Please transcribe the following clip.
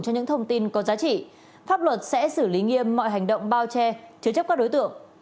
cho những thông tin có giá trị pháp luật sẽ xử lý nghiêm mọi hành động bao che chứa chấp các đối tượng